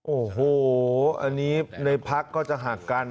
โอ้โหอันนี้ในพักก็จะหักกัน